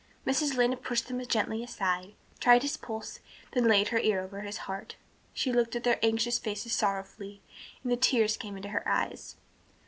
Mrs. Lynde pushed them gently aside, tried his pulse, and then laid her ear over his heart. She looked at their anxious faces sorrowfully and the tears came into her eyes.